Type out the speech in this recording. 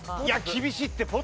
いや厳しいって。